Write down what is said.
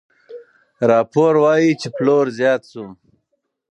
راپور وايي چې پلور زیات شو.